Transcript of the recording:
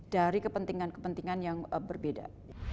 dari kepentingan kepentingan yang berbeda